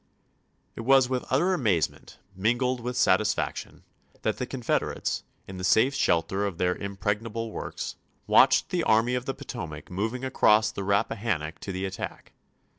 It was with utter amazement, mingled with satis faction, that the Confederates, in the safe shelter of their impregnable works, watched the Army of the Potomac mo\ing across the Rappahannock to the attack.